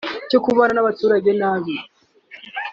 cyo kubana n’abaturanyi nabi